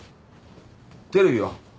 テレビは？